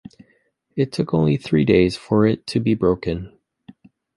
It took only three days for it to be broken.